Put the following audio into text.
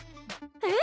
えっ？